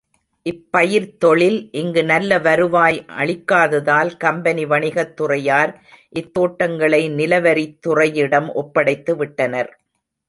இப்பயிர்த் தொழில் இங்கு நல்ல வருவாய் அளிக்காததால் கம்பெனி வணிகத் துறையார் இத்தோட்டங்களை நிலவரித் துறை யிடம் ஒப்படைத்துவிட்டனர்.